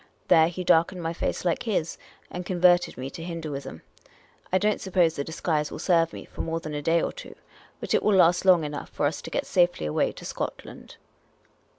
There, he darkened my face like his, and converted me to Hindooism. I don't suppose the disguise will serve me for more than a day or two ; but it will last long enough for us to get safely away to Scotland."